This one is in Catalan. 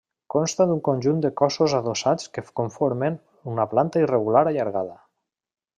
Consta d'un conjunt de cossos adossats que conformen una planta irregular allargada.